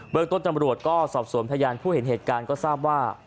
ต้นจำรวจก็สอบสวนพยานผู้เห็นเหตุการณ์ก็ทราบว่า